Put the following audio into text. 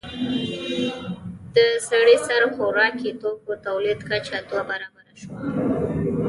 د سړي سر خوراکي توکو تولید کچه دوه برابره شوه.